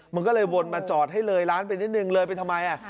มันก็เลยวนมาจอดให้เลยร้านไปนิดนึงเลยไปทำไม